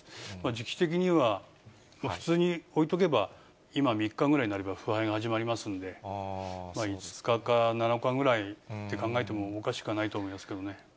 時期的には普通に置いとけば今、３日ぐらいになれば腐敗が始まりますんで、５日か７日ぐらいって考えてもおかしくはないと思いますけどね。